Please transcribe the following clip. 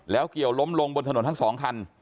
แล้วเกี่ยวล้มลงบนถนนทั้งสองคัน